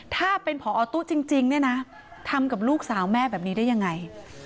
ถ้าเป็นผอตู้จริงเนี่ยนะทำกับลูกสาวแม่แบบนี้ได้ยังไง